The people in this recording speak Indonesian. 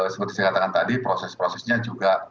seperti saya katakan tadi proses prosesnya juga